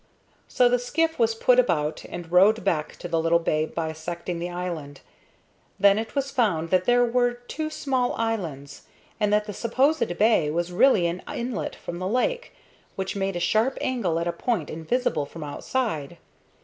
So the skiff was put about and rowed back to the little bay bisecting the island. Then it was found that there were two small islands, and that the supposed bay was really an inlet from the lake, which made a sharp angle at a point invisible from outside.